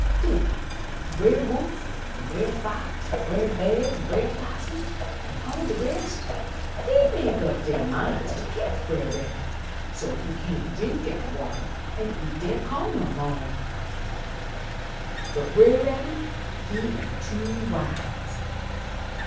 '*Den Brer Wolf an' Brer Fox an' Brer Bear an' Brer 'Possum an' all de rest, dey make up de minds to cotch Brer Rabbit, so's he cyan't drink dere wateh an' eat dere co'n no mo'! But Brer Rabbit he am too wise.